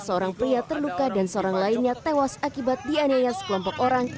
seorang pria terluka dan seorang lainnya tewas akibat dianya sekelompok orang